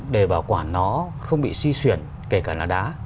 để bảo quản nó không bị suy xuyển kể cả là đá